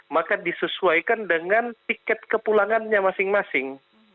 maka disesuaikan dengan tiket kepulangannya masing masing